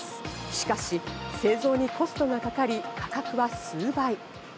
しかし製造にコストがかかり、価格は数倍。